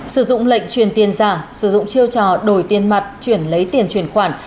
sử dụng lệnh truyền tiền giả sử dụng chiêu trò đổi tiền mặt chuyển lấy tiền truyền khoản